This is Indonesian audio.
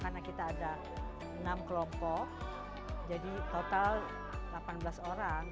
karena kita ada enam kelompok jadi total delapan belas orang